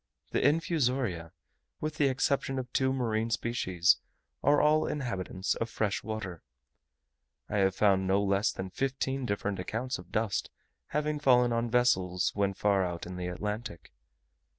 The infusoria, with the exception of two marine species, are all inhabitants of fresh water. I have found no less than fifteen different accounts of dust having fallen on vessels when far out in the Atlantic.